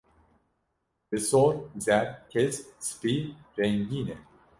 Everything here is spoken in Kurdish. bi sor, zer, kesk, sipî rengîn e.